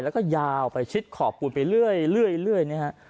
แล้วก็ยาวไปชิดขอบปูนไปเรื่อยนะฮะ